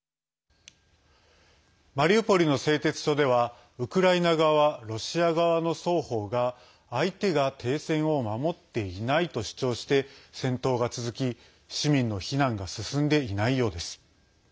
マリウポリの製鉄所ではウクライナ側、ロシア側の双方が相手が停戦を守っていないと主張して戦闘が続き市民の避難が進んでいないようです。